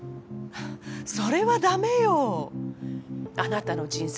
それはダメよあなたの人生